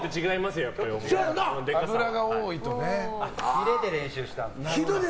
ヒレで練習したんだ。